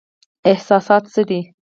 احساسات څه دي؟